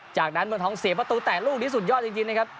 จากนั้นเมืองทองเสียประตูแต่ลูกนี้สุดยอดจริงนะครับ